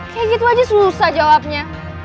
kayak gitu aja susah jawabnya